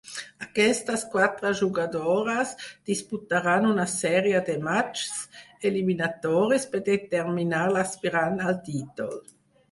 Aquestes quatre jugadores disputaren una sèrie de matxs eliminatoris per determinar l'aspirant al títol.